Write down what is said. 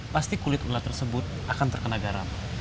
pasti kulit ular tersebut akan terkena garam